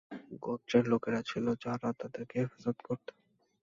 গোত্রের লোকেরা ছিল, যারা তাদেরকে হেফাজত করত।